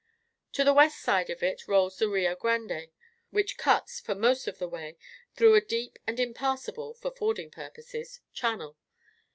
To the west side of it, rolls the Rio Grande, which cuts, for most of the way, through a deep and impassable (for fording purposes) channel.